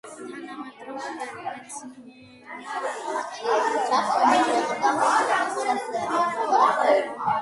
თანამედროვე მედიცინა ტექნოლოგიების დახმარებით უფრო სწრაფად ვითარდება.